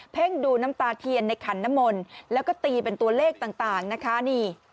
ดูน้ำตาเทียนในขันน้ำมนต์แล้วก็ตีเป็นตัวเลขต่างนะคะนี่